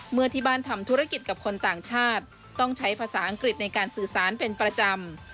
เมื่อที่บ้านทำธุรกิจกับคนต่างชาติต้องใช้ภาษาอังกฤษในการสื่อสารเป็นประจำ